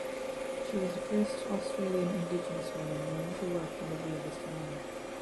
She was the first Australian indigenous woman known to work in the realist manner.